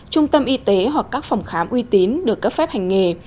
trung tâm y tế hoặc các phòng khám uy tín được cấp phép hành nghề